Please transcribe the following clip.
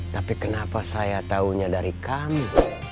tapi kenapa saya taunya dari kamu